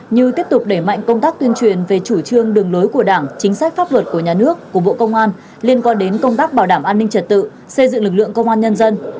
như tiếp tục đẩy mạnh công tác tuyên truyền về chủ trương đường lối của đảng chính sách pháp luật của nhà nước của bộ công an liên quan đến công tác bảo đảm an ninh trật tự xây dựng lực lượng công an nhân dân